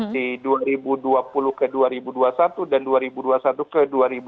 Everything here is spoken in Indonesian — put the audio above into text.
di dua ribu dua puluh ke dua ribu dua puluh satu dan dua ribu dua puluh satu ke dua ribu dua puluh